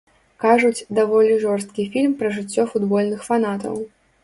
Кажуць, даволі жорсткі фільм пра жыццё футбольных фанатаў.